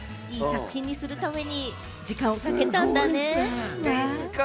いい作品にするために時間をかけたんだね。